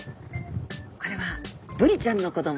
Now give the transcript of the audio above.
これはブリちゃんの子ども。